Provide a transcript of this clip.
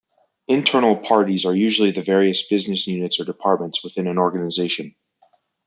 Internal parties are usually the various business units or departments within an organization.